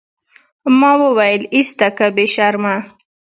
ما وويل ايسته که بې شرمه.